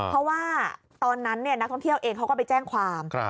เพราะว่าตอนนั้นนักท่องเที่ยวเองเขาก็ไปแจ้งความ